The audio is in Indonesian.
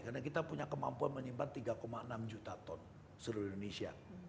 karena kita punya kemampuan menyimpan tiga enam juta ton seluruh indonesia